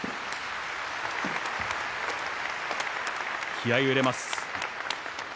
気合いを入れます。